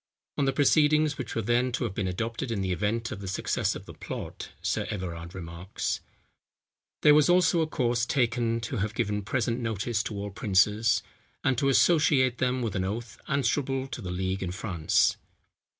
On the proceedings which were to have been adopted in the event of the success of the plot, Sir Everard remarks: "There was also a course taken to have given present notice to all princes, and to associate them with an oath, answerable to the league in France."